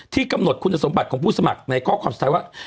กำหนดคุณสมบัติของผู้สมัครในข้อความสุดท้ายว่า